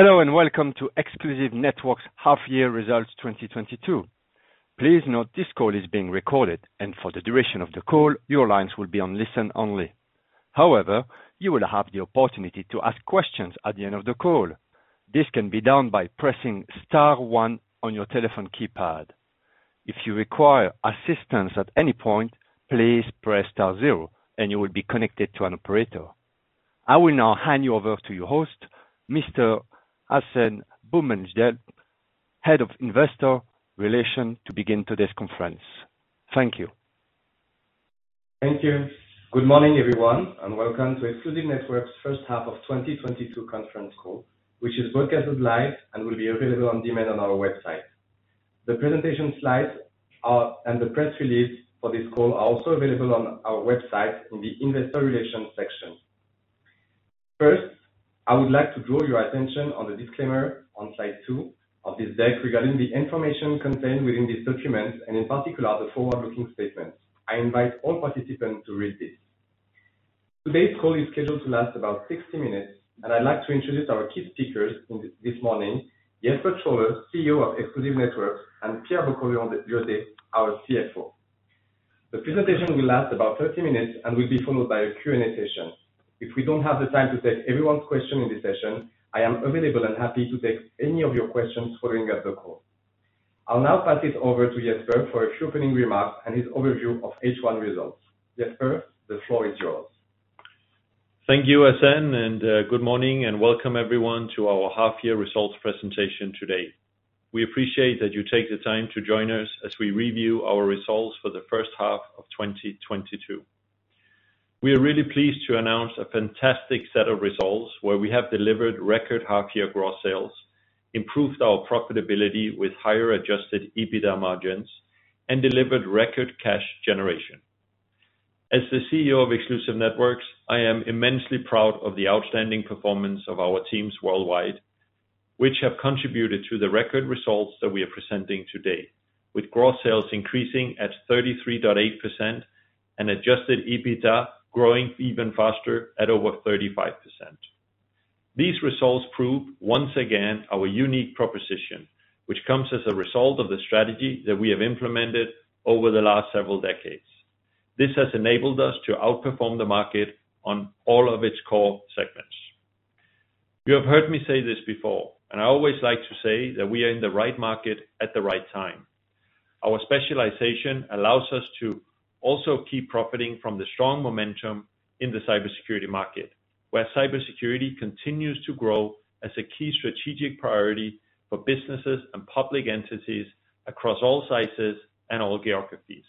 Hello, and welcome to Exclusive Networks' half year results 2022. Please note this call is being recorded, and for the duration of the call, your lines will be on listen only. However, you will have the opportunity to ask questions at the end of the call. This can be done by pressing star one on your telephone keypad. If you require assistance at any point, please press star zero, and you will be connected to an operator. I will now hand you over to your host, Mr. Hacène Boumendjel, Head of Investor Relations, to begin today's conference. Thank you. Thank you. Good morning, everyone, and welcome to Exclusive Networks' first half of 2022 conference call, which is broadcasted live and will be available on demand on our website. The presentation slides and the press release for this call are also available on our website in the investor relations section. First, I would like to draw your attention on the disclaimer on slide two of this deck regarding the information contained within these documents, and in particular, the forward-looking statements. I invite all participants to read this. Today's call is scheduled to last about 60 minutes, and I'd like to introduce our key speakers this morning, Jesper Trolle, CEO of Exclusive Networks, and Pierre Boccon-Liaudet, our CFO. The presentation will last about 30 minutes and will be followed by a Q&A session. If we don't have the time to take everyone's question in this session, I am available and happy to take any of your questions following up the call. I'll now pass it over to Jesper for a few opening remarks and his overview of H1 results. Jesper, the floor is yours. Thank you, Hacène, and good morning and welcome everyone to our half year results presentation today. We appreciate that you take the time to join us as we review our results for the first half of 2022. We are really pleased to announce a fantastic set of results where we have delivered record half-year gross sales, improved our profitability with higher adjusted EBITDA margins, and delivered record cash generation. As the CEO of Exclusive Networks, I am immensely proud of the outstanding performance of our teams worldwide, which have contributed to the record results that we are presenting today, with gross sales increasing at 33.8% and adjusted EBITDA growing even faster at over 35%. These results prove once again our unique proposition, which comes as a result of the strategy that we have implemented over the last several decades. This has enabled us to outperform the market on all of its core segments. You have heard me say this before, and I always like to say that we are in the right market at the right time. Our specialization allows us to also keep profiting from the strong momentum in the cybersecurity market, where cybersecurity continues to grow as a key strategic priority for businesses and public entities across all sizes and all geographies.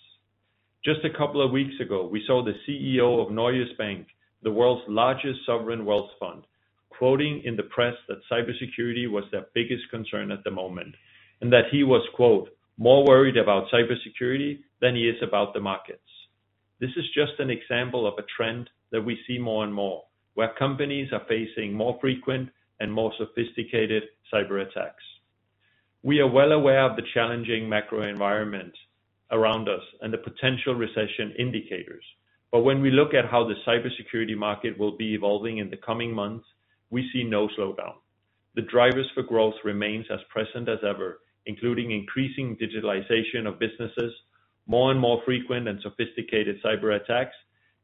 Just a couple of weeks ago, we saw the CEO of Norges Bank, the world's largest sovereign wealth fund, quoting in the press that cybersecurity was their biggest concern at the moment, and that he was, quote, "More worried about cybersecurity than he is about the markets." This is just an example of a trend that we see more and more, where companies are facing more frequent and more sophisticated cyberattacks. We are well aware of the challenging macro environment around us and the potential recession indicators. When we look at how the cybersecurity market will be evolving in the coming months, we see no slowdown. The drivers for growth remains as present as ever, including increasing digitalization of businesses, more and more frequent and sophisticated cyberattacks,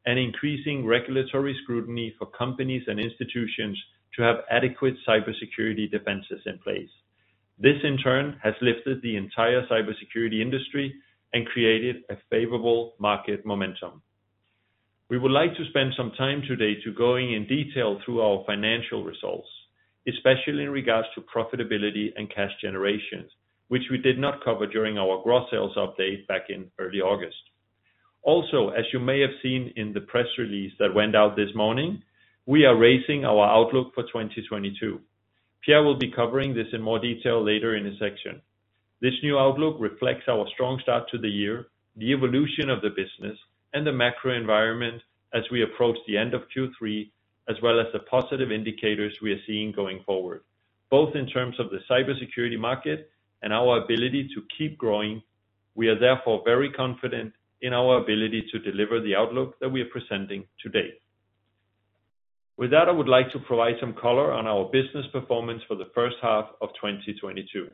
and increasing regulatory scrutiny for companies and institutions to have adequate cybersecurity defenses in place. This, in turn, has lifted the entire cybersecurity industry and created a favorable market momentum. We would like to spend some time today to going in detail through our financial results, especially in regards to profitability and cash generation, which we did not cover during our gross sales update back in early August. Also, as you may have seen in the press release that went out this morning, we are raising our outlook for 2022. Pierre will be covering this in more detail later in his section. This new outlook reflects our strong start to the year, the evolution of the business, and the macro environment as we approach the end of Q3, as well as the positive indicators we are seeing going forward, both in terms of the cybersecurity market and our ability to keep growing. We are therefore very confident in our ability to deliver the outlook that we are presenting today. With that, I would like to provide some color on our business performance for the first half of 2022.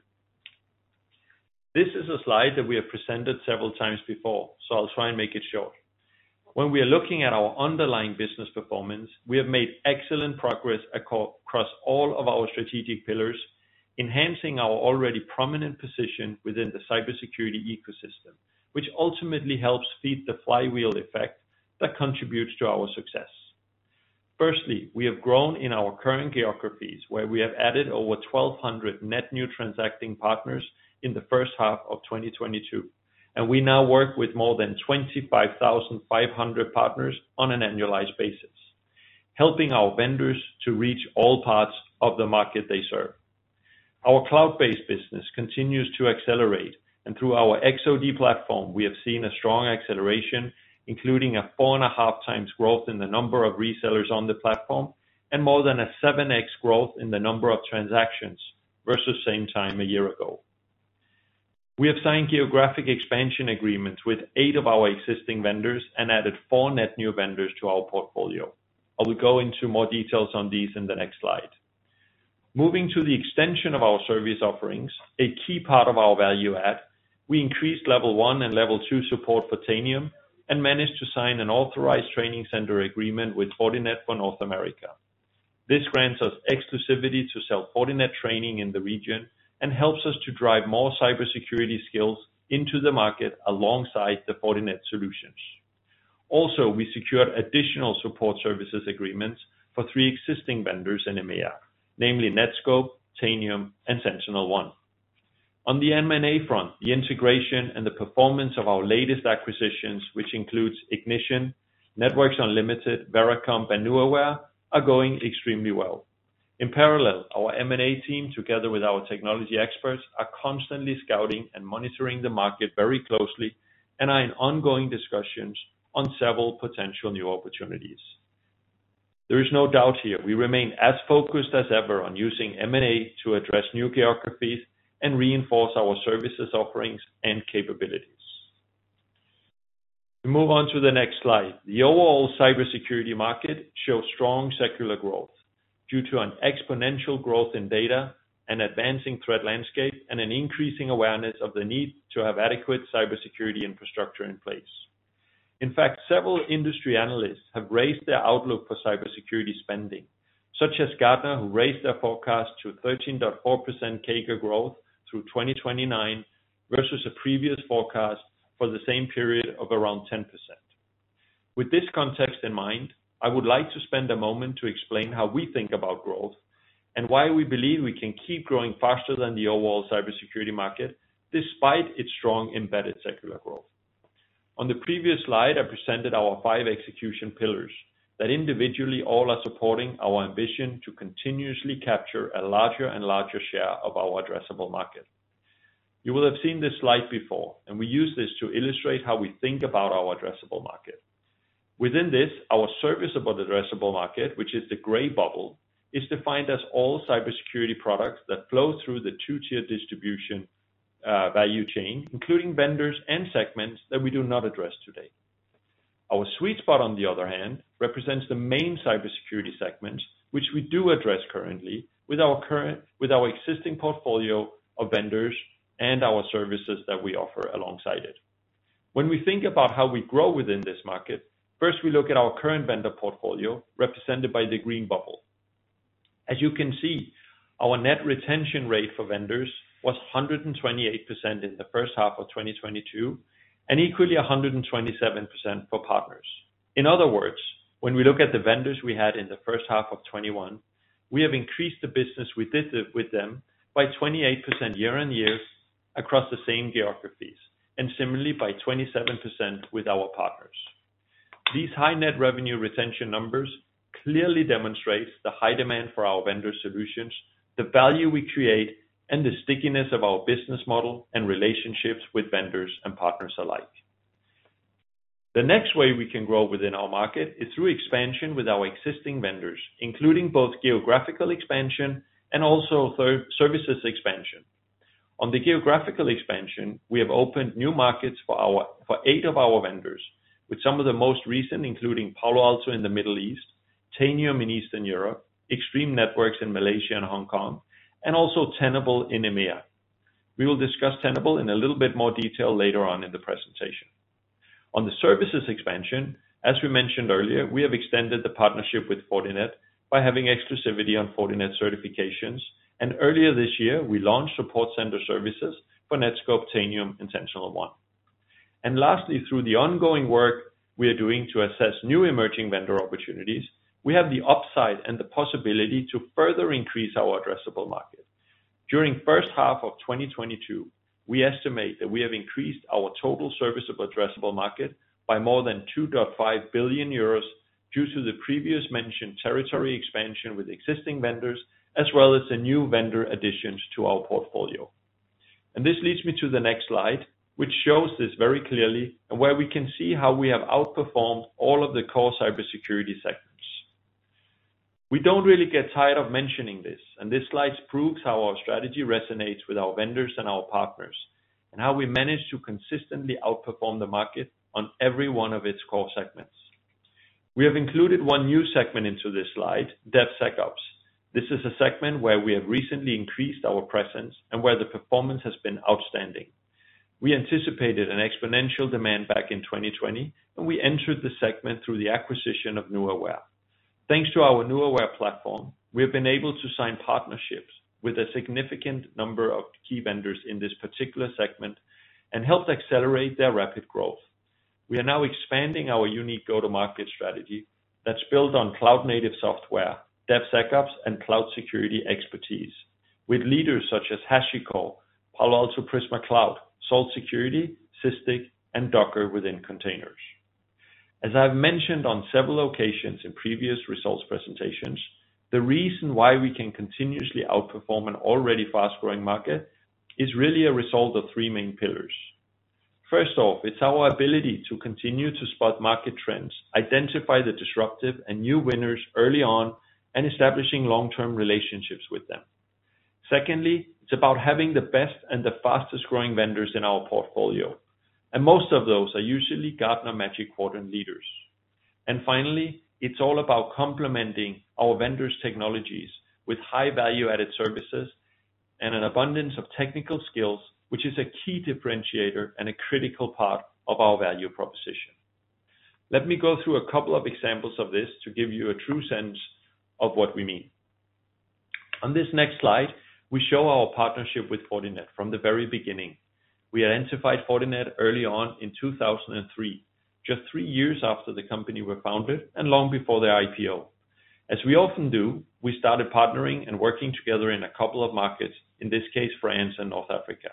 This is a slide that we have presented several times before, so I'll try and make it short. When we are looking at our underlying business performance, we have made excellent progress across all of our strategic pillars, enhancing our already prominent position within the cybersecurity ecosystem, which ultimately helps feed the flywheel effect that contributes to our success. Firstly, we have grown in our current geographies, where we have added over 1,200 net new transacting partners in the first half of 2022, and we now work with more than 25,500 partners on an annualized basis, helping our vendors to reach all parts of the market they serve. Our cloud-based business continues to accelerate, and through our X-OD platform, we have seen a strong acceleration, including a 4.5x growth in the number of resellers on the platform and more than a 7x growth in the number of transactions versus same time a year ago. We have signed geographic expansion agreements with eight of our existing vendors and added four net new vendors to our portfolio. I will go into more details on these in the next slide. Moving to the extension of our service offerings, a key part of our value add, we increased level one and level two support for Tanium and managed to sign an authorized training center agreement with Fortinet for North America. This grants us exclusivity to sell Fortinet training in the region and helps us to drive more cybersecurity skills into the market alongside the Fortinet solutions. Also, we secured additional support services agreements for three existing vendors in EMEA, namely Netskope, Tanium, and SentinelOne. On the M&A front, the integration and the performance of our latest acquisitions, which includes Ignition, Networks Unlimited, Veracomp, and Nuaware, are going extremely well. In parallel, our M&A team, together with our technology experts, are constantly scouting and monitoring the market very closely and are in ongoing discussions on several potential new opportunities. There is no doubt here, we remain as focused as ever on using M&A to address new geographies and reinforce our services offerings and capabilities. We move on to the next slide. The overall cybersecurity market shows strong secular growth due to an exponential growth in data and advancing threat landscape, and an increasing awareness of the need to have adequate cybersecurity infrastructure in place. In fact, several industry analysts have raised their outlook for cybersecurity spending, such as Gartner, who raised their forecast to 13.4% CAGR growth through 2029 versus a previous forecast for the same period of around 10%. With this context in mind, I would like to spend a moment to explain how we think about growth and why we believe we can keep growing faster than the overall cybersecurity market despite its strong embedded secular growth. On the previous slide, I presented our five execution pillars that individually all are supporting our ambition to continuously capture a larger and larger share of our addressable market. You will have seen this slide before, and we use this to illustrate how we think about our addressable market. Within this, our serviceable addressable market, which is the gray bubble, is defined as all cybersecurity products that flow through the two-tier distribution value chain, including vendors and segments that we do not address today. Our sweet spot, on the other hand, represents the main cybersecurity segments which we do address currently with our existing portfolio of vendors and our services that we offer alongside it. When we think about how we grow within this market, first, we look at our current vendor portfolio represented by the green bubble. As you can see, our net retention rate for vendors was 128% in the first half of 2022, and equally 127% for partners. In other words, when we look at the vendors we had in the first half of 2021, we have increased the business we did with them by 28% year-on-year across the same geographies, and similarly by 27% with our partners. These high net revenue retention numbers clearly demonstrates the high demand for our vendor solutions, the value we create, and the stickiness of our business model and relationships with vendors and partners alike. The next way we can grow within our market is through expansion with our existing vendors, including both geographical expansion and also services expansion. On the geographical expansion, we have opened new markets for eight of our vendors, with some of the most recent including Palo Alto in the Middle East, Tanium in Eastern Europe, Extreme Networks in Malaysia and Hong Kong, and also Tenable in EMEA. We will discuss Tenable in a little bit more detail later on in the presentation. On the services expansion, as we mentioned earlier, we have extended the partnership with Fortinet by having exclusivity on Fortinet certifications. Earlier this year, we launched support center services for Netskope, Tanium, and SentinelOne. Lastly, through the ongoing work we are doing to assess new emerging vendor opportunities, we have the upside and the possibility to further increase our addressable market. During first half of 2022, we estimate that we have increased our total serviceable addressable market by more than 2.5 billion euros due to the previous mentioned territory expansion with existing vendors, as well as the new vendor additions to our portfolio. This leads me to the next slide, which shows this very clearly and where we can see how we have outperformed all of the core cybersecurity segments. We don't really get tired of mentioning this, and this slide proves how our strategy resonates with our vendors and our partners, and how we manage to consistently outperform the market on every one of its core segments. We have included one new segment into this slide, DevSecOps. This is a segment where we have recently increased our presence and where the performance has been outstanding. We anticipated an exponential demand back in 2020, and we entered the segment through the acquisition of Nuaware. Thanks to our Nuaware platform, we have been able to sign partnerships with a significant number of key vendors in this particular segment and helped accelerate their rapid growth. We are now expanding our unique go-to-market strategy that's built on cloud-native software, DevSecOps, and cloud security expertise with leaders such as HashiCorp, Palo Alto Prisma Cloud, Salt Security, Sysdig, and Docker within containers. As I've mentioned on several occasions in previous results presentations, the reason why we can continuously outperform an already fast-growing market is really a result of three main pillars. First off, it's our ability to continue to spot market trends, identify the disruptive and new winners early on, and establishing long-term relationships with them. Secondly, it's about having the best and the fastest growing vendors in our portfolio, and most of those are usually Gartner Magic Quadrant leaders. Finally, it's all about complementing our vendors' technologies with high value-added services and an abundance of technical skills, which is a key differentiator and a critical part of our value proposition. Let me go through a couple of examples of this to give you a true sense of what we mean. On this next slide, we show our partnership with Fortinet. From the very beginning, we identified Fortinet early on in 2003, just three years after the company were founded and long before their IPO. As we often do, we started partnering and working together in a couple of markets, in this case, France and North Africa.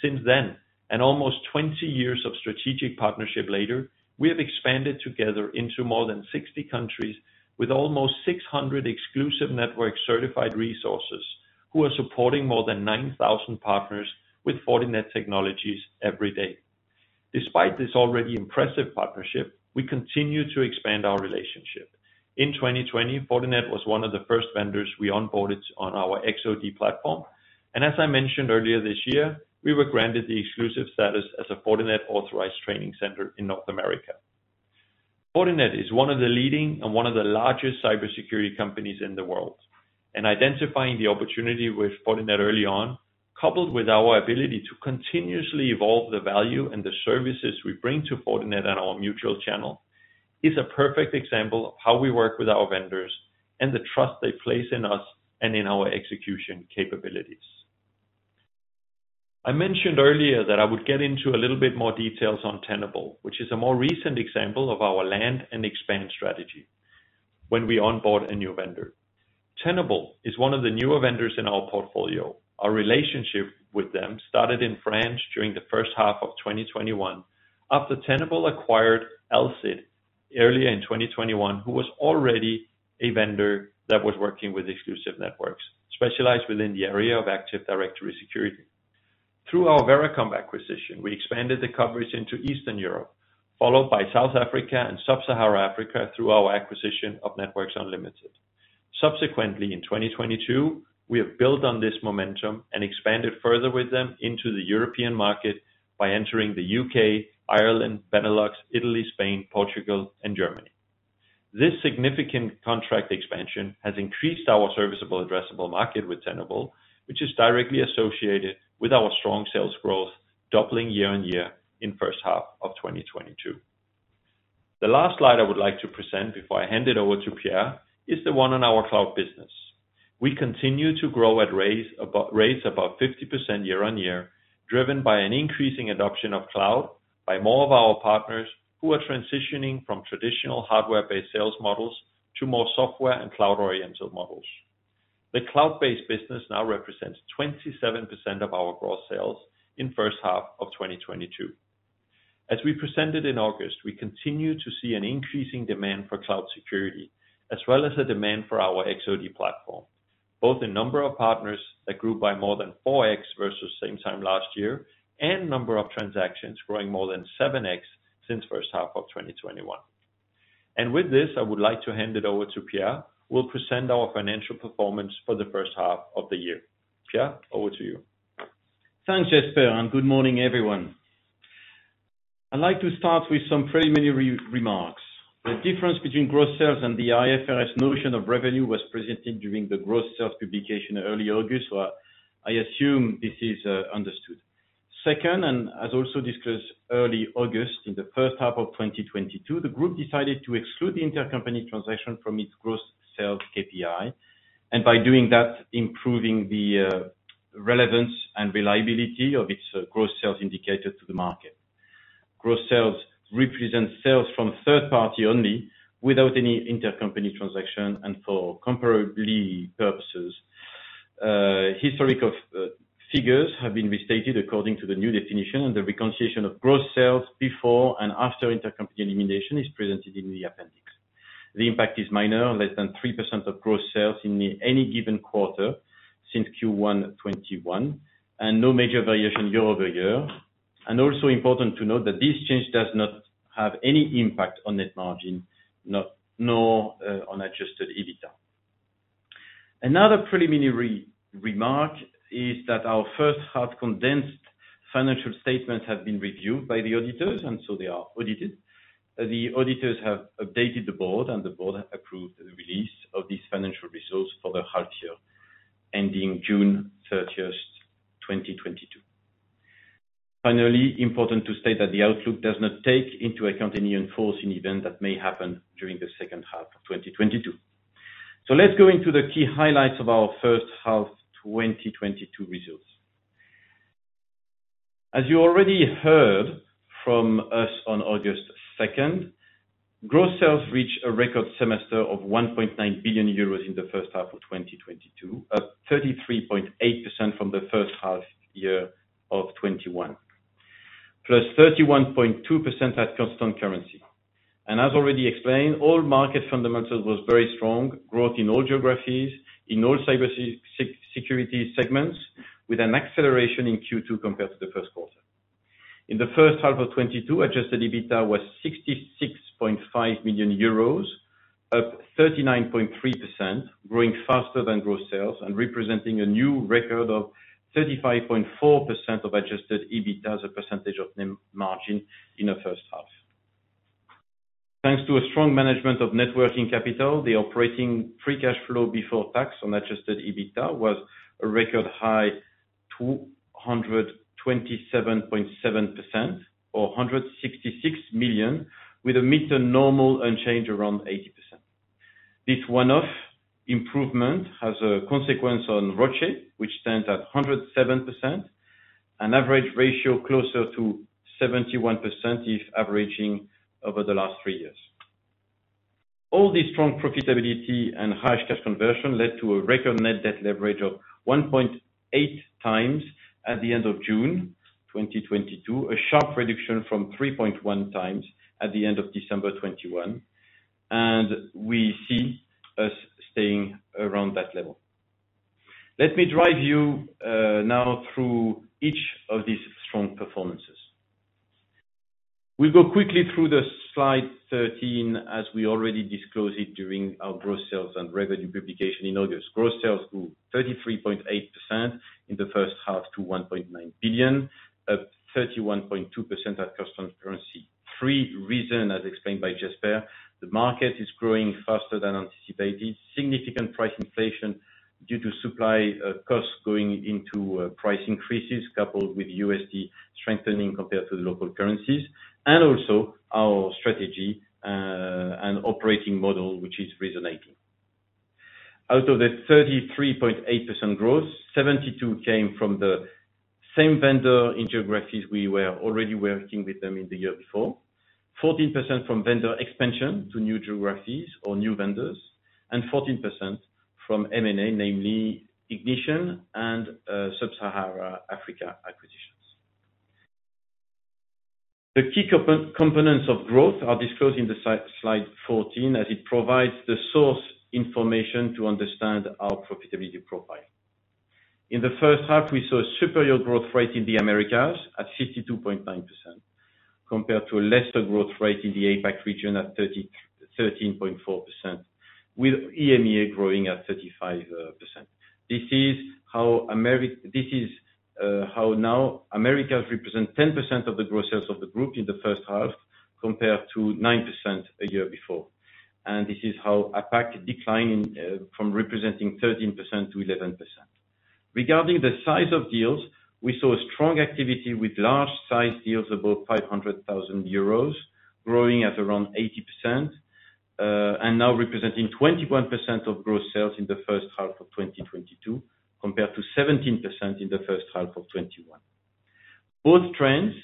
Since then, and almost 20 years of strategic partnership later, we have expanded together into more than 60 countries with almost 600 Exclusive Networks certified resources who are supporting more than 9,000 partners with Fortinet technologies every day. Despite this already impressive partnership, we continue to expand our relationship. In 2020, Fortinet was one of the first vendors we onboarded on our X-OD platform, and as I mentioned earlier this year, we were granted the exclusive status as a Fortinet authorized training center in North America. Fortinet is one of the leading and one of the largest cybersecurity companies in the world. Identifying the opportunity with Fortinet early on, coupled with our ability to continuously evolve the value and the services we bring to Fortinet and our mutual channel, is a perfect example of how we work with our vendors and the trust they place in us and in our execution capabilities. I mentioned earlier that I would get into a little bit more details on Tenable, which is a more recent example of our land and expand strategy when we onboard a new vendor. Tenable is one of the newer vendors in our portfolio. Our relationship with them started in France during the first half of 2021 after Tenable acquired Alsid earlier in 2021, who was already a vendor that was working with Exclusive Networks, specialized within the area of Active Directory Security. Through our Veracomp acquisition, we expanded the coverage into Eastern Europe, followed by South Africa and Sub-Saharan Africa through our acquisition of Networks Unlimited. Subsequently, in 2022, we have built on this momentum and expanded further with them into the European market by entering the U.K., Ireland, Benelux, Italy, Spain, Portugal, and Germany. This significant contract expansion has increased our serviceable addressable market with Tenable, which is directly associated with our strong sales growth, doubling year-on-year in first half of 2022. The last slide I would like to present before I hand it over to Pierre is the one on our cloud business. We continue to grow at raised above 50% year-on-year, driven by an increasing adoption of cloud by more of our partners who are transitioning from traditional hardware-based sales models to more software and cloud-oriented models. The cloud-based business now represents 27% of our gross sales in first half of 2022. As we presented in August, we continue to see an increasing demand for cloud security, as well as a demand for our X-OD platform, both in number of partners that grew by more than 4x versus same time last year, and number of transactions growing more than 7x since first half of 2021. With this, I would like to hand it over to Pierre, who will present our financial performance for the first half of the year. Pierre, over to you. Thanks, Jesper, and good morning, everyone. I'd like to start with some preliminary remarks. The difference between gross sales and the IFRS notion of revenue was presented during the gross sales publication early August. I assume this is understood. Second, as also discussed early August, in the first half of 2022, the group decided to exclude intercompany transaction from its gross sales KPI. By doing that, improving the relevance and reliability of its gross sales indicator to the market. Gross sales represents sales from third party only without any intercompany transaction. For comparable purposes, historical figures have been restated according to the new definition, and the reconciliation of gross sales before and after intercompany elimination is presented in the appendix. The impact is minor, less than 3% of gross sales in any given quarter since Q1 2021, and no major variation year-over-year. Also important to note that this change does not have any impact on net margin, nor on adjusted EBITDA. Another preliminary remark is that our first half condensed financial statements have been reviewed by the auditors, and so they are audited. The auditors have updated the board, and the board approved the release of these financial results for the half year ending June 30th, 2022. Finally, important to state that the outlook does not take into account any unforeseen event that may happen during the second half of 2022. Let's go into the key highlights of our first half 2022 results. As you already heard from us on August second, gross sales reached a record semester of 1.9 billion euros in the first half of 2022, up 33.8% from the first half year of 2021, +31.2% at constant currency. As already explained, all market fundamentals was very strong. Growth in all geographies, in all cybersecurity segments, with an acceleration in Q2 compared to the first quarter. In the first half of 2022, adjusted EBITDA was 66.5 million euros, up 39.3%, growing faster than gross sales and representing a new record of 35.4% of adjusted EBITDA as a percentage of the margin in the first half. Thanks to a strong management of net working capital, the operating free cash flow before tax on adjusted EBITDA was a record high 227.7% or 166 million, with a mid- to normal range around 80%. This one-off improvement has a consequence on ROCE, which stands at 107%, an average ratio closer to 71% if averaging over the last three years. All these strong profitability and cash conversion led to a record net debt leverage of 1.8x at the end of June 2022, a sharp reduction from 3.1x at the end of December 2021, and we see us staying around that level. Let me drive you now through each of these strong performances. We'll go quickly through slide 13, as we already disclosed it during our group sales and revenue publication in August. Group sales grew 33.8% in the first half to 1.9 billion, up 31.2% at constant currency. Three reasons, as explained by Jesper, the market is growing faster than anticipated. Significant price inflation due to supply costs going into price increases coupled with USD strengthening compared to the local currencies, and also our strategy and operating model, which is resonating. Out of the 33.8% growth, 72% came from the same vendor in geographies we were already working with them in the year before. 14% from vendor expansion to new geographies or new vendors, and 14% from M&A, namely Ignition and Sub-Saharan Africa acquisitions. The key components of growth are disclosed in the slide 14, as it provides the source information to understand our profitability profile. In the first half, we saw a superior growth rate in the Americas at 62.9% compared to a lesser growth rate in the APAC region at 13.4%, with EMEA growing at 35%. This is how the Americas represent 10% of the gross sales of the group in the first half compared to 9% a year before. This is how APAC declined from representing 13%-11%. Regarding the size of deals, we saw a strong activity with large size deals, above 500,000 euros, growing at around 80%, and now representing 21% of growth sales in the first half of 2022, compared to 17% in the first half of 2021. Both trends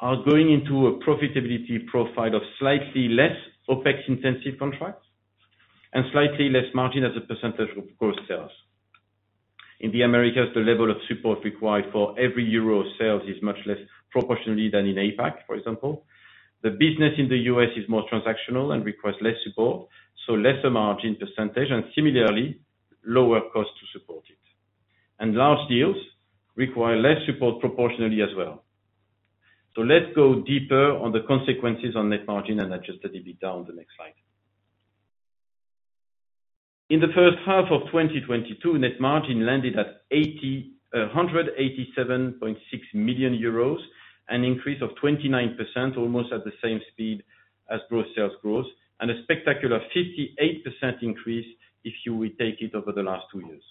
are going into a profitability profile of slightly less OpEx-intensive contracts and slightly less margin as a percentage of growth sales. In the Americas, the level of support required for every euro of sales is much less proportionally than in APAC, for example. The business in the U.S. is more transactional and requires less support, so lesser margin percentage and similarly lower cost to support it. Large deals require less support proportionally as well. Let's go deeper on the consequences on net margin and adjusted EBITDA on the next slide. In the first half of 2022, gross margin landed at 187.6 million euros, an increase of 29%, almost at the same speed as gross sales growth, and a spectacular 58% increase if you will take it over the last two years.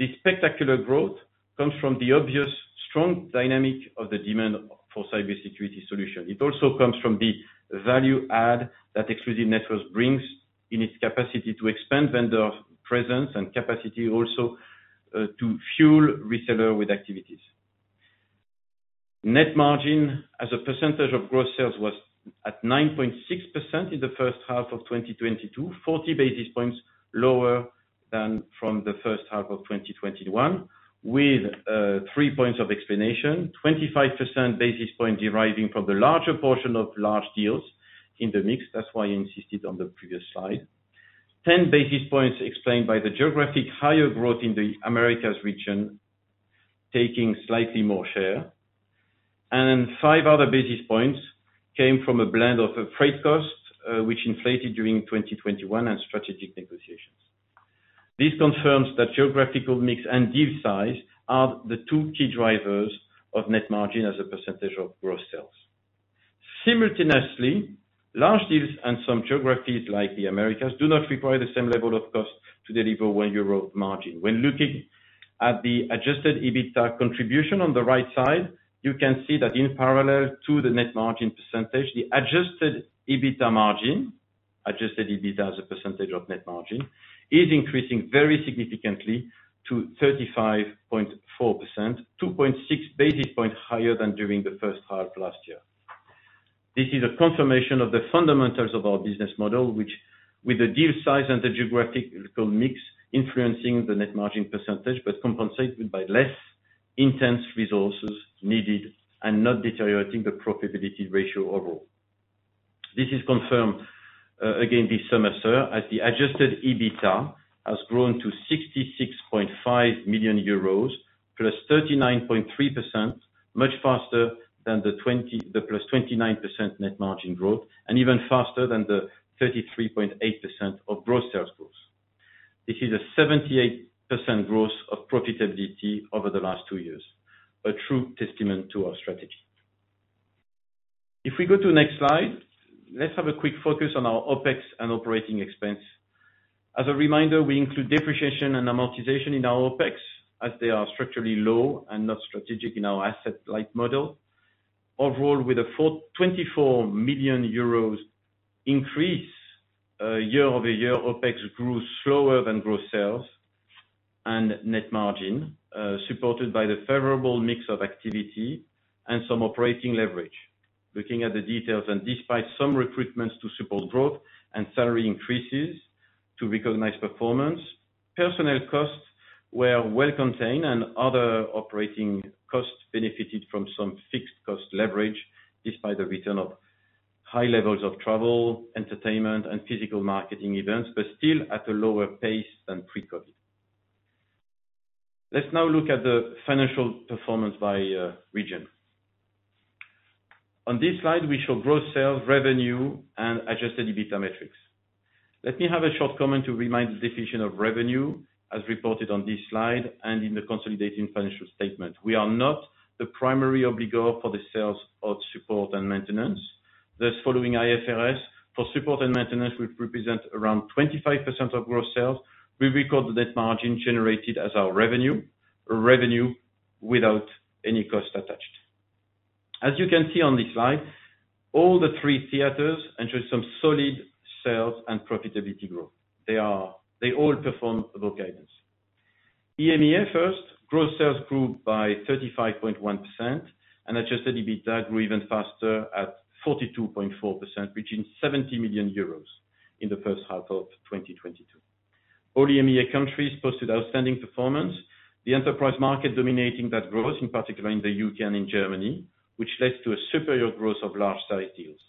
This spectacular growth comes from the obvious strong dynamic of the demand for cybersecurity solution. It also comes from the value add that Exclusive Networks brings in its capacity to expand vendor presence and capacity also, to fuel reseller with activities. Gross margin as a percentage of gross sales was at 9.6% in the first half of 2022, 40 basis points lower than from the first half of 2021 with, three points of explanation. 25 basis points deriving from the larger portion of large deals in the mix. That's why I insisted on the previous slide. 10 basis points explained by the geographical higher growth in the Americas region taking slightly more share. Five other basis points came from a blend of freight costs, which inflated during 2021 and strategic negotiations. This confirms that geographical mix and deal size are the two key drivers of net margin as a percentage of gross sales. Simultaneously, large deals and some geographies, like the Americas, do not require the same level of cost to deliver 1 euro margin. When looking at the adjusted EBITDA contribution on the right side, you can see that in parallel to the net margin percentage, the adjusted EBITDA margin, adjusted EBITDA as a percentage of net margin, is increasing very significantly to 35.4%, 2.6 basis points higher than during the first half last year. This is a confirmation of the fundamentals of our business model, which with the deal size and the geographical mix influencing the net margin percentage, but compensated by less intense resources needed and not deteriorating the profitability ratio overall. This is confirmed again this semester as the adjusted EBITDA has grown to 66.5 million euros, +39.3%, much faster than the +29% net margin growth, and even faster than the 33.8% of gross sales growth. This is a 78% growth of profitability over the last two years, a true testament to our strategy. If we go to next slide, let's have a quick focus on our OpEx and operating expense. As a reminder, we include depreciation and amortization in our OpEx, as they are structurally low and not strategic in our asset-light model. Overall, with a 24 million euros increase year-over-year, OpEx grew slower than gross sales and net margin, supported by the favorable mix of activity and some operating leverage. Looking at the details, despite some recruitments to support growth and salary increases to recognize performance, personnel costs were well contained and other operating costs benefited from some fixed cost leverage, despite the return of high levels of travel, entertainment, and physical marketing events, but still at a lower pace than pre-COVID. Let's now look at the financial performance by region. On this slide, we show gross sales revenue and adjusted EBITDA metrics. Let me have a short comment to remind the definition of revenue as reported on this slide and in the consolidated financial statement. We are not the primary obligor for the sales of support and maintenance. Thus following IFRS, for support and maintenance, which represent around 25% of gross sales, we record the net margin generated as our revenue without any cost attached. As you can see on this slide, all three theaters entered some solid sales and profitability growth. They all performed above guidance. EMEA first, gross sales grew by 35.1% and adjusted EBITDA grew even faster at 42.4%, reaching 70 million euros in the first half of 2022. All EMEA countries posted outstanding performance. The enterprise market dominating that growth, in particular in the U.K. and in Germany, which led to a superior growth of large size deals.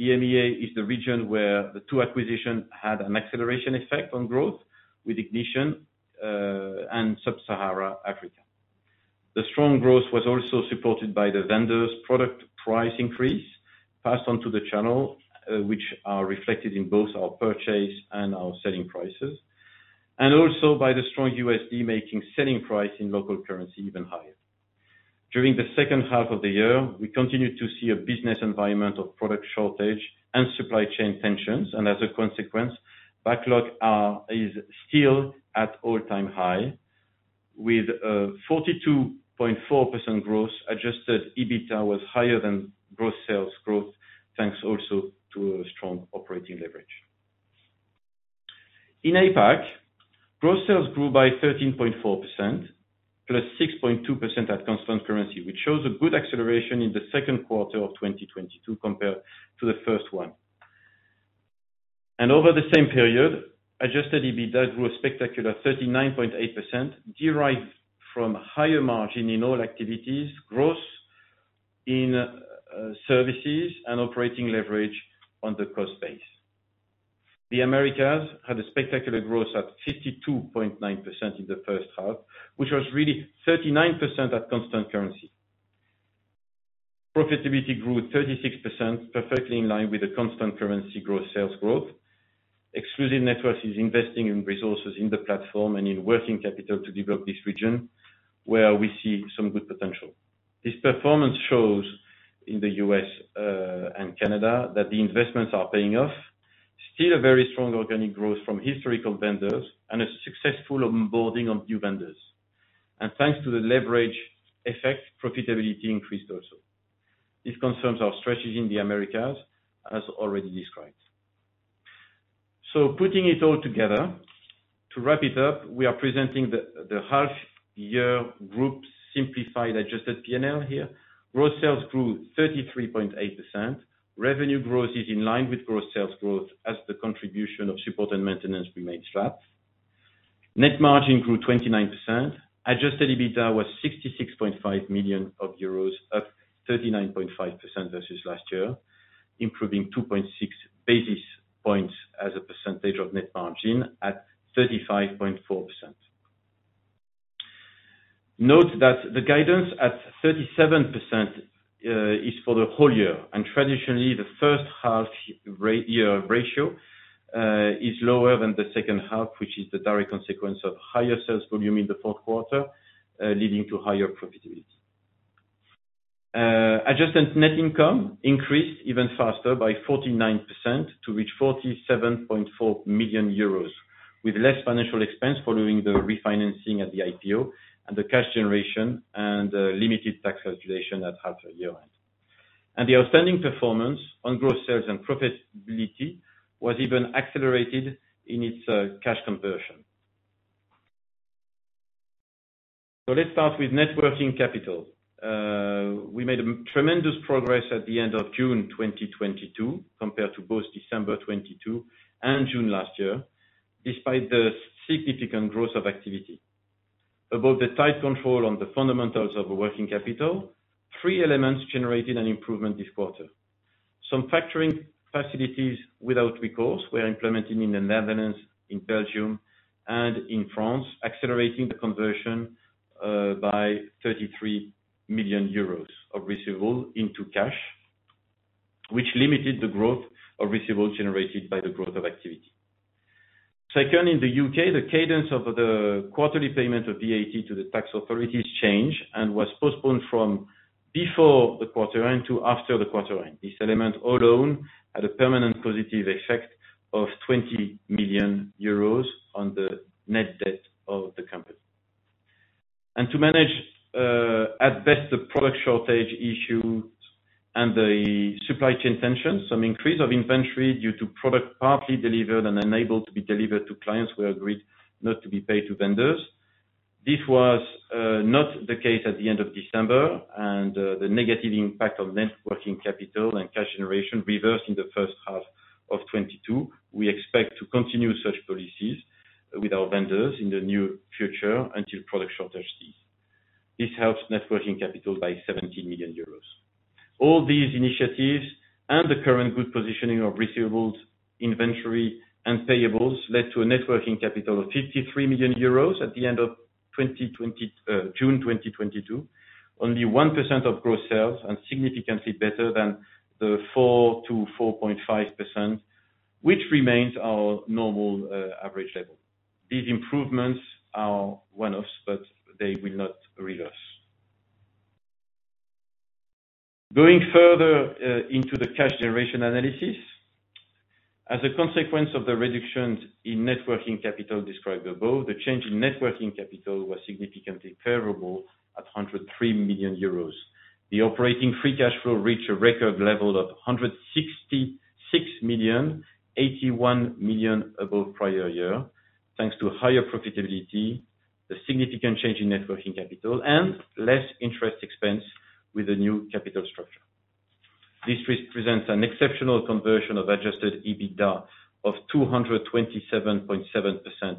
EMEA is the region where the two acquisitions had an acceleration effect on growth with Ignition and Sub-Saharan Africa. The strong growth was also supported by the vendors' product price increase passed on to the channel, which are reflected in both our purchase and our selling prices, and also by the strong USD making selling price in local currency even higher. During the second half of the year, we continued to see a business environment of product shortage and supply chain tensions, and as a consequence, backlog is still at all-time high. With 42.4% growth, adjusted EBITDA was higher than gross sales growth, thanks also to a strong operating leverage. In APAC, gross sales grew by 13.4%, plus 6.2% at constant currency, which shows a good acceleration in the second quarter of 2022 compared to the first one. Over the same period, adjusted EBITDA grew a spectacular 39.8%, derived from higher margin in all activities, growth in services and operating leverage on the cost base. The Americas had a spectacular growth at 52.9% in the first half, which was really 39% at constant currency. Profitability grew at 36%, perfectly in line with the constant currency gross sales growth. Exclusive Networks is investing in resources in the platform and in working capital to develop this region where we see some good potential. This performance shows in the U.S. and Canada that the investments are paying off, still a very strong organic growth from historical vendors and a successful onboarding of new vendors. Thanks to the leverage effect, profitability increased also. This confirms our strategy in the Americas as already described. Putting it all together, to wrap it up, we are presenting the half year group's simplified adjusted P&L here. Gross sales grew 33.8%. Revenue growth is in line with gross sales growth as the contribution of support and maintenance remains flat. Net margin grew 29%. Adjusted EBITDA was 66.5 million euros, up 39.5% versus last year, improving 2.6 basis points as a percentage of net margin at 35.4%. Note that the guidance at 37% is for the whole year, and traditionally the first half-year ratio is lower than the second half, which is the direct consequence of higher sales volume in the fourth quarter, leading to higher profitability. Adjusted net income increased even faster by 49% to reach 47.4 million euros, with less financial expense following the refinancing at the IPO and the cash generation and limited tax calculation at half a year end. The outstanding performance on gross sales and profitability was even accelerated in its cash conversion. Let's start with net working capital. We made tremendous progress at the end of June 2022 compared to both December 2022 and June last year. Despite the significant growth of activity. About the tight control on the fundamentals of working capital, three elements generated an improvement this quarter. Some factoring facilities without recourse were implemented in the Netherlands, in Belgium, and in France, accelerating the conversion by 33 million euros of receivable into cash, which limited the growth of receivables generated by the growth of activity. Second, in the U.K., the cadence of the quarterly payment of VAT to the tax authorities changed and was postponed from before the quarter end to after the quarter end. This element alone had a permanent positive effect of 20 million euros on the net debt of the company. To manage at best the product shortage issue and the supply chain tension, some increase of inventory due to product partly delivered and unable to be delivered to clients we agreed not to pay vendors. This was not the case at the end of December, and the negative impact on net working capital and cash generation reversed in the first half of 2022. We expect to continue such policies with our vendors in the near future until product shortage cease. This helps net working capital by 70 million euros. All these initiatives and the current good positioning of receivables, inventory, and payables led to a net working capital of 53 million euros at the end of June 2022. Only 1% of gross sales and significantly better than the 4%-4.5%, which remains our normal average level. These improvements are one-offs, but they will not reverse. Going further into the cash generation analysis. As a consequence of the reductions in net working capital described above, the change in net working capital was significantly favorable at 103 million euros. The operating free cash flow reached a record level of 166 million, 81 million above prior year, thanks to higher profitability, the significant change in net working capital, and less interest expense with the new capital structure. This represents an exceptional conversion of adjusted EBITDA of 227.7%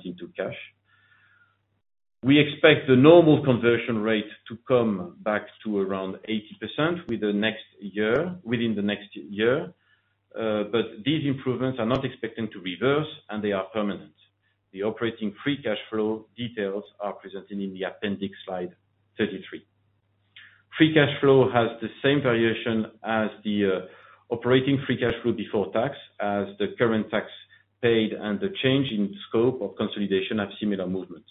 into cash. We expect the normal conversion rate to come back to around 80% within the next year. But these improvements are not expected to reverse, and they are permanent. The operating free cash flow details are presented in the appendix, slide 33. Free cash flow has the same variation as the operating free cash flow before tax, as the current tax paid and the change in scope of consolidation have similar movements.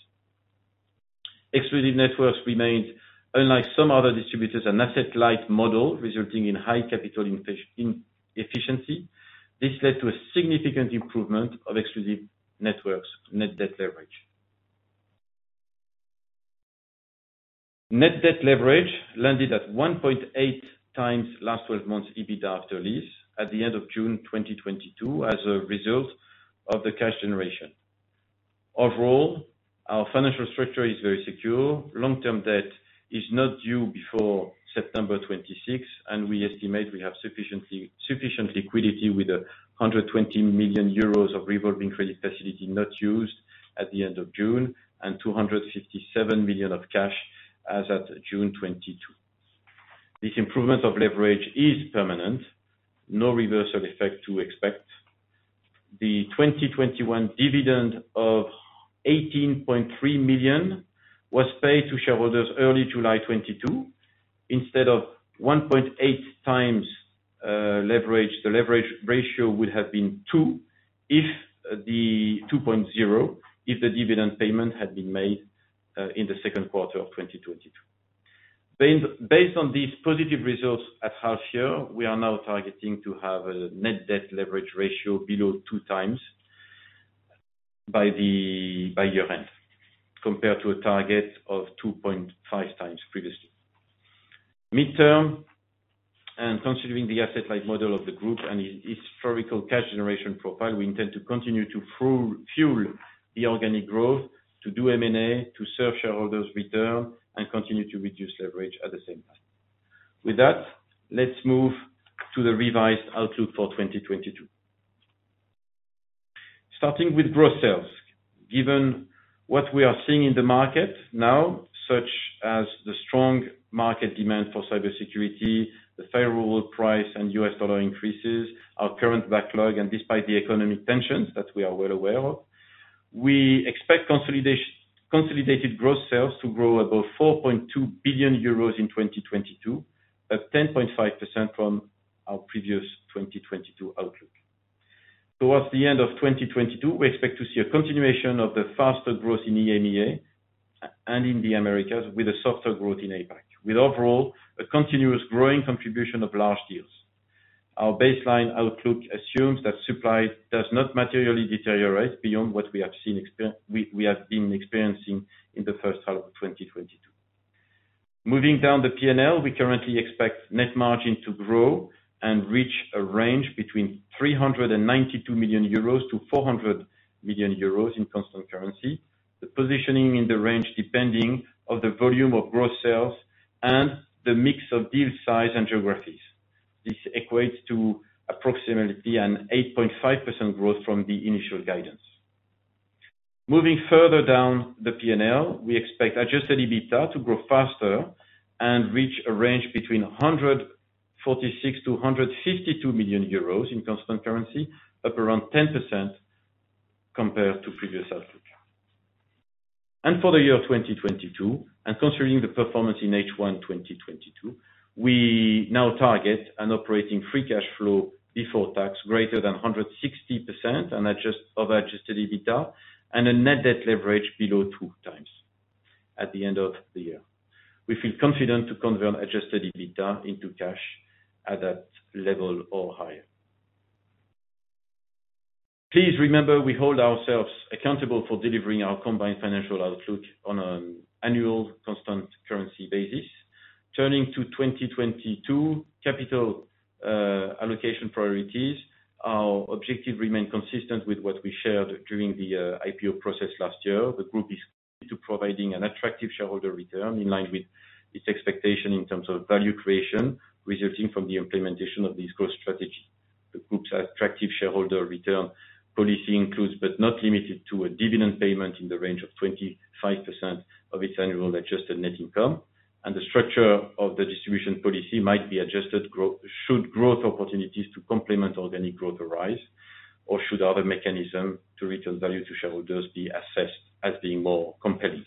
Exclusive Networks remains, unlike some other distributors, an asset-light model, resulting in high capital efficiency. This led to a significant improvement of Exclusive Networks' net debt leverage. Net debt leverage landed at 1.8x last twelve months EBITDA after lease at the end of June 2022 as a result of the cash generation. Overall, our financial structure is very secure. Long-term debt is not due before September 2026, and we estimate we have sufficient liquidity with 120 million euros of revolving credit facility not used at the end of June and 257 million of cash as at June 2022. This improvement of leverage is permanent. No reversal effect to expect. The 2021 dividend of 18.3 million was paid to shareholders early July 2022. Instead of 1.8x leverage, the leverage ratio would have been 2.0 if the dividend payment had been made in the second quarter of 2022. Based on these positive results at half year, we are now targeting to have a net debt leverage ratio below 2x by the end, by year end, compared to a target of 2.5x previously. Midterm, considering the asset-light model of the group and historical cash generation profile, we intend to continue to fuel the organic growth, to do M&A, to serve shareholders' return, and continue to reduce leverage at the same time. With that, let's move to the revised outlook for 2022. Starting with gross sales. Given what we are seeing in the market now, such as the strong market demand for cybersecurity, the favorable price and U.S. dollar increases, our current backlog, and despite the economic tensions that we are well aware of, we expect consolidated growth sales to grow above 4.2 billion euros in 2022, at 10.5% from our previous 2022 outlook. Towards the end of 2022, we expect to see a continuation of the faster growth in EMEA and in the Americas with a softer growth in APAC, with overall a continuous growing contribution of large deals. Our baseline outlook assumes that supply does not materially deteriorate beyond what we have been experiencing in the first half of 2022. Moving down the P&L, we currently expect net margin to grow and reach a range between 392 million-400 million euros in constant currency. The positioning in the range depending on the volume of growth sales and the mix of deal size and geographies. This equates to approximately an 8.5% growth from the initial guidance. Moving further down the P&L, we expect adjusted EBITDA to grow faster and reach a range between 146 million-152 million euros in constant currency, up around 10% compared to previous outlook. For the year 2022, and considering the performance in H1 2022, we now target an operating free cash flow before tax greater than 160% of adjusted EBITDA and a net debt leverage below 2x at the end of the year. We feel confident to convert adjusted EBITDA into cash at that level or higher. Please remember, we hold ourselves accountable for delivering our combined financial outlook on an annual constant currency basis. Turning to 2022 capital allocation priorities, our objective remain consistent with what we shared during the IPO process last year. The group is committed to providing an attractive shareholder return in line with its expectation in terms of value creation, resulting from the implementation of this growth strategy. The group's attractive shareholder return policy includes, but is not limited to, a dividend payment in the range of 25% of its annual adjusted net income. The structure of the distribution policy might be adjusted should growth opportunities to complement organic growth arise, or should other mechanism to return value to shareholders be assessed as being more compelling.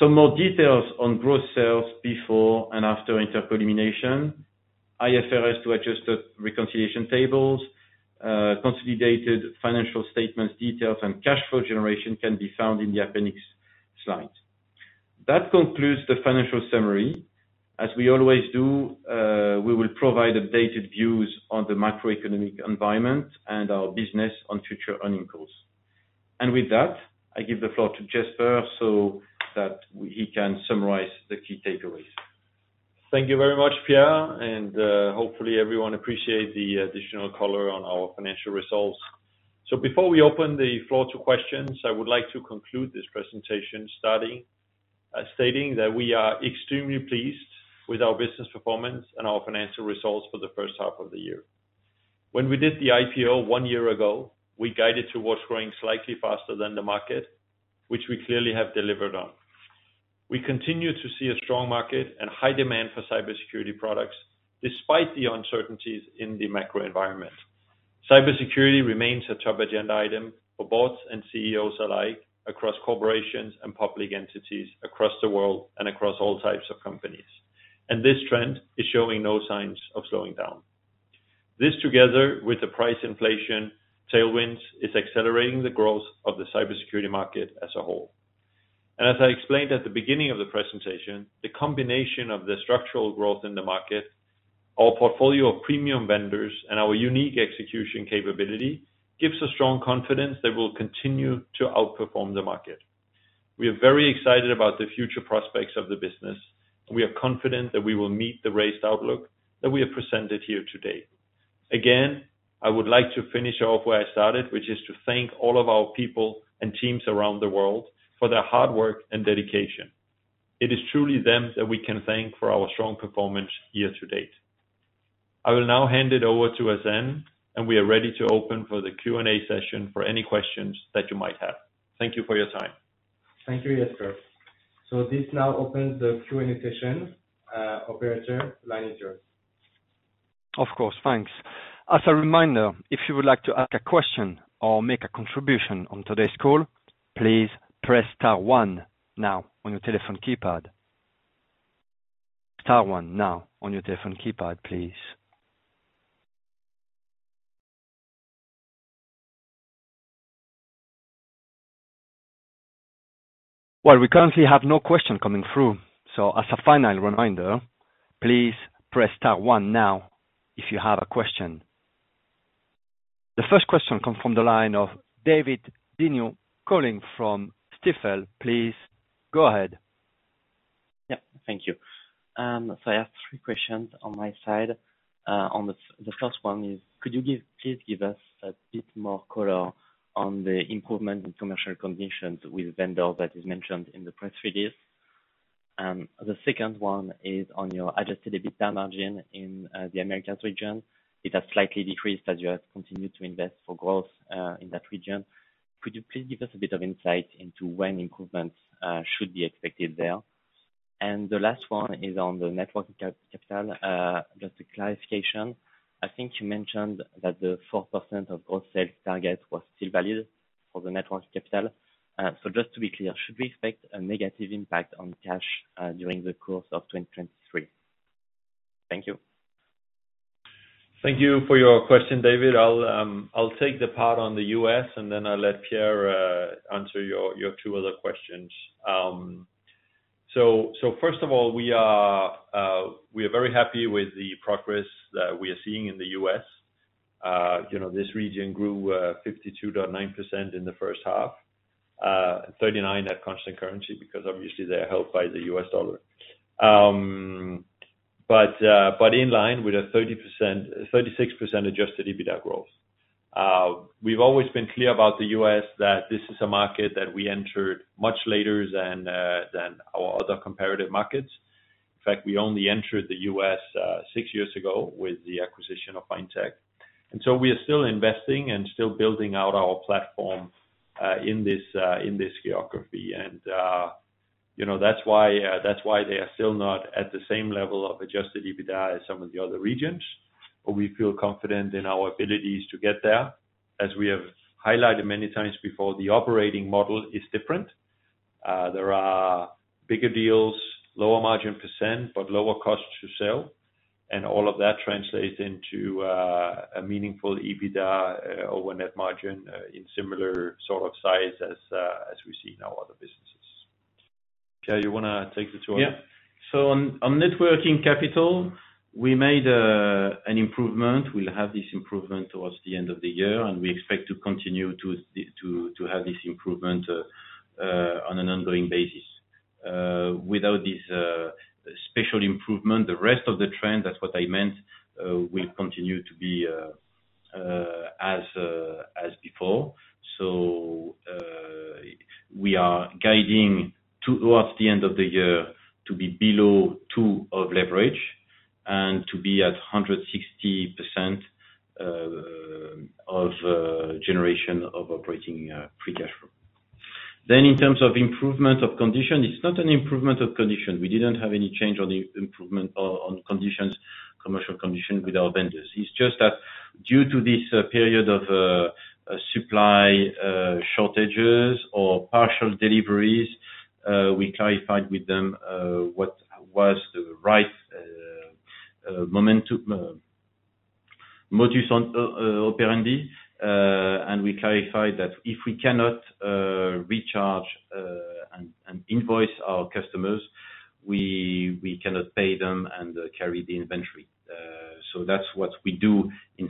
Some more details on gross sales before and after inter-elimination, IFRS to adjusted reconciliation tables, consolidated financial statements, details, and cash flow generation can be found in the appendix slides. That concludes the financial summary. As we always do, we will provide updated views on the macroeconomic environment and our business on future earnings calls. With that, I give the floor to Jesper so that he can summarize the key takeaways. Thank you very much, Pierre, and hopefully everyone appreciate the additional color on our financial results. Before we open the floor to questions, I would like to conclude this presentation stating that we are extremely pleased with our business performance and our financial results for the first half of the year. When we did the IPO one year ago, we guided towards growing slightly faster than the market, which we clearly have delivered on. We continue to see a strong market and high demand for cybersecurity products, despite the uncertainties in the macro environment. Cybersecurity remains a top agenda item for boards and CEOs alike, across corporations and public entities across the world and across all types of companies. This trend is showing no signs of slowing down. This, together with the price inflation tailwinds, is accelerating the growth of the cybersecurity market as a whole. As I explained at the beginning of the presentation, the combination of the structural growth in the market, our portfolio of premium vendors, and our unique execution capability, gives us strong confidence that we'll continue to outperform the market. We are very excited about the future prospects of the business, and we are confident that we will meet the raised outlook that we have presented here today. Again, I would like to finish off where I started, which is to thank all of our people and teams around the world for their hard work and dedication. It is truly them that we can thank for our strong performance year to date. I will now hand it over to Hacène Boumendjel, and we are ready to open for the Q&A session for any questions that you might have. Thank you for your time. Thank you, Jesper. This now opens the Q&A session. Operator, line is yours. Of course. Thanks. As a reminder, if you would like to ask a question or make a contribution on today's call, please press star one now on your telephone keypad. Star one now on your telephone keypad, please. Well, we currently have no question coming through, so as a final reminder, please press star one now if you have a question. The first question comes from the line of David Vignon, calling from Stifel. Please go ahead. Yeah. Thank you. So I have three questions on my side. On the first one. Could you please give us a bit more color on the improvement in commercial conditions with vendor that is mentioned in the press release? The second one is on your adjusted EBITDA margin in the Americas region. It has slightly decreased as you have continued to invest for growth in that region. Could you please give us a bit of insight into when improvements should be expected there? The last one is on the net working capital, just a clarification. I think you mentioned that the 4% of gross sales target was still valid for the net working capital. So just to be clear, should we expect a negative impact on cash during the course of 2023? Thank you. Thank you for your question, David. I'll take the part on the U.S. and then I'll let Pierre answer your two other questions. So first of all, we are very happy with the progress that we are seeing in the U.S. You know, this region grew 52.9% in the first half, 39% at constant currency, because obviously they're helped by the U.S. dollar. In line with a 36% adjusted EBITDA growth. We've always been clear about the U.S. that this is a market that we entered much later than our other comparative markets. In fact, we only entered the U.S. six years ago with the acquisition of Fine Tec. We are still investing and still building out our platform in this geography. You know, that's why they are still not at the same level of adjusted EBITDA as some of the other regions. We feel confident in our abilities to get there. As we have highlighted many times before, the operating model is different. There are bigger deals, lower margin percent, but lower cost to sell. All of that translates into a meaningful EBITDA or net margin in similar sort of size as we see in our other businesses. Pierre, you wanna take the two? On working capital, we made an improvement. We'll have this improvement towards the end of the year, and we expect to continue to have this improvement on an ongoing basis. Without this special improvement, the rest of the trend, that's what I meant, will continue to be as before. We are guiding towards the end of the year to be below 2x leverage and to be at 160% of generation of operating free cash flow. In terms of improvement of condition, it's not an improvement of condition. We didn't have any change on the improvement on conditions, commercial conditions with our vendors. It's just that due to this period of supply shortages or partial deliveries, we clarified with them what was the right modus operandi. We clarified that if we cannot recharge and invoice our customers, we cannot pay them and carry the inventory. That's what we do to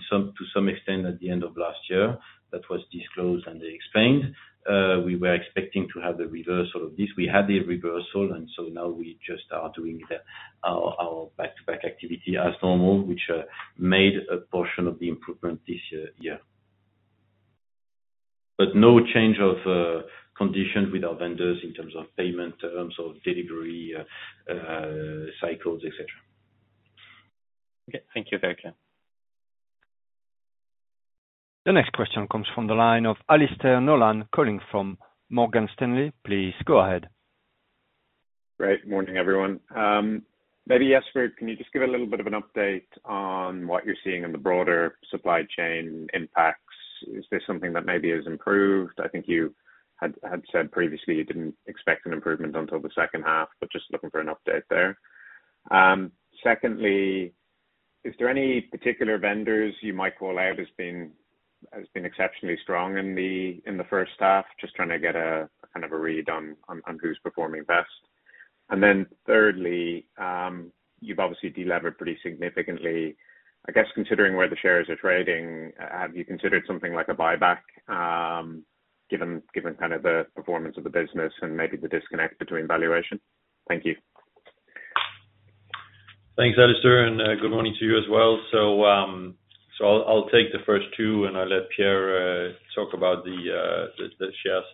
some extent at the end of last year that was disclosed and explained. We were expecting to have the reversal of this. We had the reversal. Now we just are doing our back-to-back activity as normal, which made a portion of the improvement this year. No change of condition with our vendors in terms of payment, in terms of delivery cycles, et cetera. Okay. Thank you. Very clear. The next question comes from the line of Alastair Nolan calling from Morgan Stanley. Please go ahead. Good morning, everyone. Maybe, Jesper, can you just give a little bit of an update on what you're seeing in the broader supply chain impacts? Is there something that maybe has improved? I think you had said previously you didn't expect an improvement until the second half, but just looking for an update there. Secondly, is there any particular vendors you might call out as being exceptionally strong in the first half? Just trying to get a kind of a read on who's performing best. Thirdly, you've obviously delevered pretty significantly. I guess considering where the shares are trading, have you considered something like a buyback, given kind of the performance of the business and maybe the disconnect between valuation? Thank you. Thanks, Alastair, and good morning to you as well. I'll take the first two, and I'll let Pierre talk about the shares.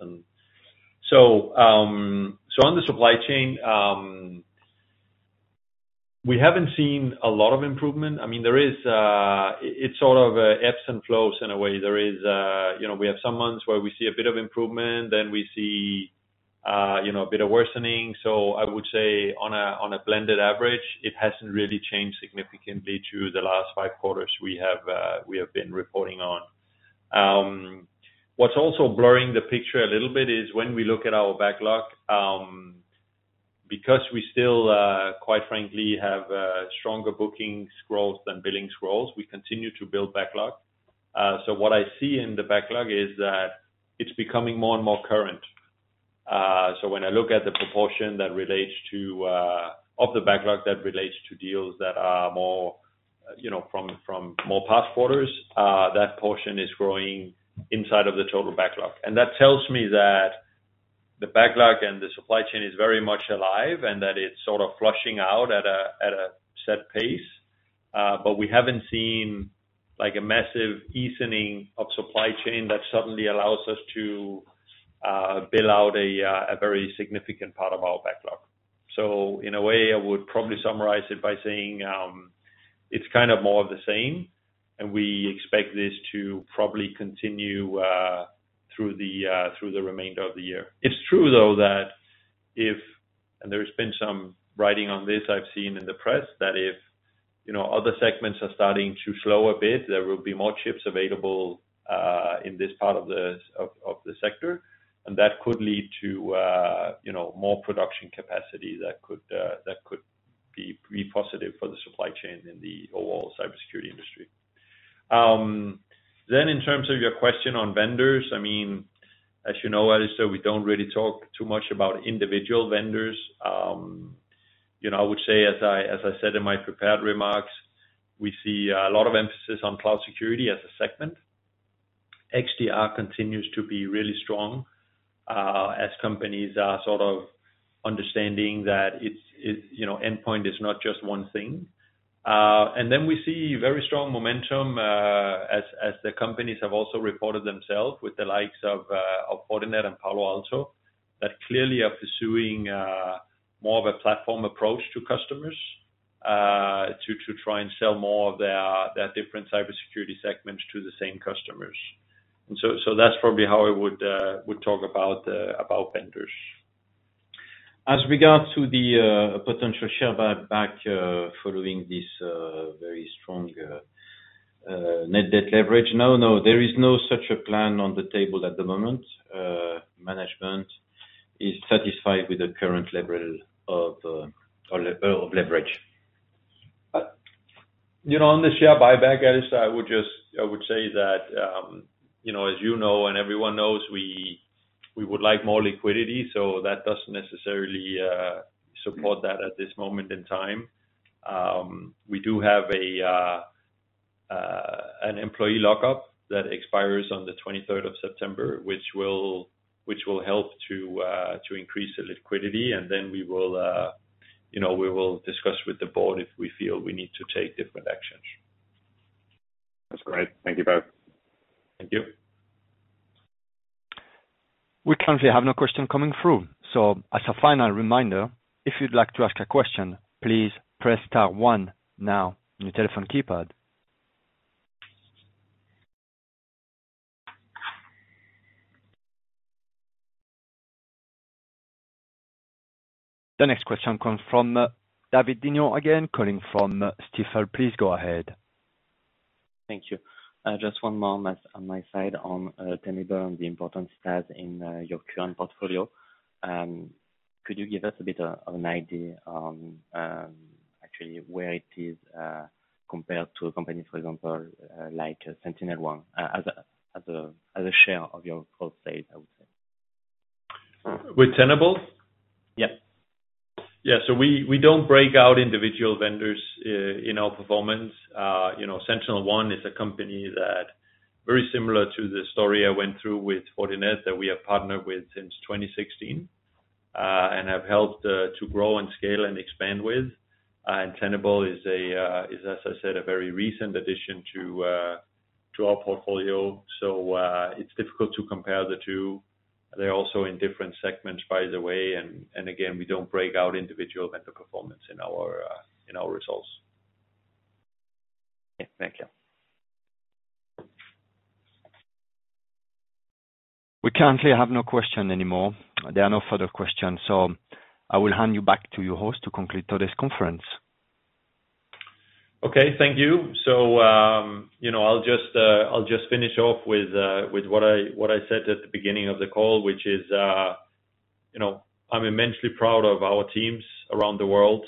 On the supply chain, we haven't seen a lot of improvement. I mean, there is. It's sort of ebbs and flows in a way. There is, you know, we have some months where we see a bit of improvement, then we see, you know, a bit of worsening. I would say on a blended average, it hasn't really changed significantly to the last five quarters we have been reporting on. What's also blurring the picture a little bit is when we look at our backlog, because we still, quite frankly, have stronger bookings growth than billings growth, we continue to build backlog. What I see in the backlog is that it's becoming more and more current. When I look at the proportion that relates to of the backlog that relates to deals that are more, you know, from more past quarters, that portion is growing inside of the total backlog. That tells me that the backlog and the supply chain is very much alive and that it's sort of flushing out at a set pace. We haven't seen like a massive easing of supply chain that suddenly allows us to build out a very significant part of our backlog. In a way, I would probably summarize it by saying, it's kind of more of the same, and we expect this to probably continue through the remainder of the year. It's true, though, that if, and there's been some writing on this I've seen in the press, that if, you know, other segments are starting to slow a bit, there will be more chips available in this part of the sector. That could lead to, you know, more production capacity that could be positive for the supply chain in the overall cybersecurity industry. Then in terms of your question on vendors, I mean, as you know, Alastair, we don't really talk too much about individual vendors. You know, I would say, as I said in my prepared remarks, we see a lot of emphasis on cloud security as a segment. XDR continues to be really strong. As companies are sort of understanding that it's you know, endpoint is not just one thing. Then we see very strong momentum, as the companies have also reported themselves with the likes of Fortinet and Palo Alto, that clearly are pursuing more of a platform approach to customers, to try and sell more of their different cybersecurity segments to the same customers. That's probably how I would talk about vendors. As regards to the potential share buyback following this very strong net debt leverage. No, there is no such a plan on the table at the moment. Management is satisfied with the current level of leverage. You know, on the share buyback, Alastair, I would say that, you know, as you know, and everyone knows, we would like more liquidity, so that doesn't necessarily support that at this moment in time. We do have an employee lockup that expires on the 23rd of September, which will help to increase the liquidity, and then we will, you know, discuss with the board if we feel we need to take different actions. That's great. Thank you both. Thank you. We currently have no question coming through, so as a final reminder, if you'd like to ask a question, please press star one now on your telephone keypad. The next question comes from David Vignon again, calling from Stifel. Please go ahead. Thank you. Just one more on my side on Tenable and the important stats in your current portfolio. Could you give us a bit of an idea on actually where it is compared to companies, for example, like SentinelOne as a share of your full sales, I would say? With Tenable? Yeah. Yeah. We don't break out individual vendors in our performance. You know, SentinelOne is a company that very similar to the story I went through with Fortinet, that we have partnered with since 2016, and have helped to grow and scale and expand with. Tenable is, as I said, a very recent addition to our portfolio. It's difficult to compare the two. They're also in different segments, by the way, and again, we don't break out individual vendor performance in our results. Yeah. Thank you. We currently have no question anymore. There are no further questions, so I will hand you back to your host to complete today's conference. Okay. Thank you. You know, I'll just finish off with what I said at the beginning of the call, which is, you know, I'm immensely proud of our teams around the world.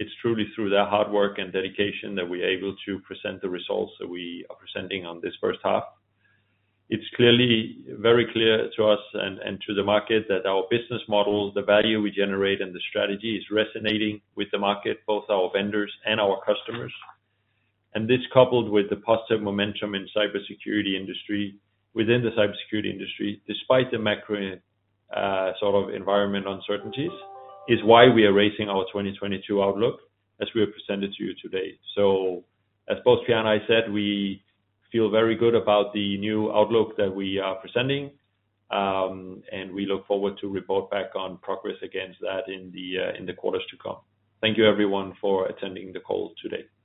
It's truly through their hard work and dedication that we're able to present the results that we are presenting on this first half. It's clearly very clear to us and to the market that our business model, the value we generate, and the strategy is resonating with the market, both our vendors and our customers. This coupled with the positive momentum within the cybersecurity industry, despite the macro sort of environment uncertainties, is why we are raising our 2022 outlook as we have presented to you today. As both Pierre and I said, we feel very good about the new outlook that we are presenting, and we look forward to report back on progress against that in the quarters to come. Thank you everyone for attending the call today.